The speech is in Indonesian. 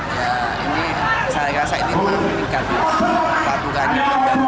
ya ini saya rasa ini menikmati patuhannya